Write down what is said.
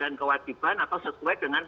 dan kewajiban atau sesuai dengan